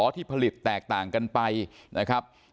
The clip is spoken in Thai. ที่ผลิตแตกต่างกันไปนะครับ